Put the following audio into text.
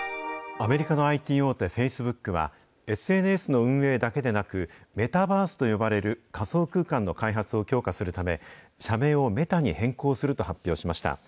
アメリカのＩＴ大手、フェイスブックは、ＳＮＳの運営だけでなく、メタバースと呼ばれる仮想空間の開発を強化するため、社名をメタに変更すると発表しました。